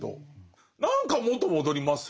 何か元戻りますよね。